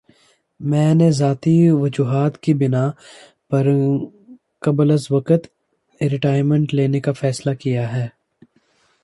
میں نے ذاتی وجوہات کی بِنا پر قبلازوقت ریٹائرمنٹ لینے کا فیصلہ کِیا ہے